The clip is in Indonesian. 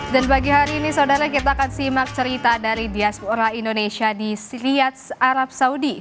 dan pagi hari ini saudara kita akan simak cerita dari diaspora indonesia di riyadz arab saudi